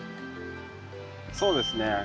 そうですね